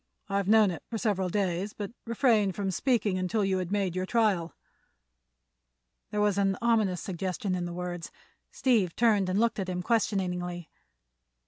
I've known it for several days, but refrained from speaking until you had made your trial." There was an ominous suggestion in the words. Steve turned and looked at him questioningly.